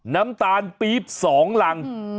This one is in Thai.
น้ำตาลปี๊บ๒รัง